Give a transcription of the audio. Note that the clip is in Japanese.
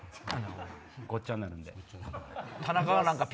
ごっちゃになるんで。